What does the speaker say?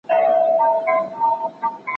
چي به د اور له پاسه اور راځي